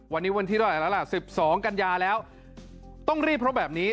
วันนี้วันที่๑๒กันยาแล้วต้องรีบเพราะแบบนี้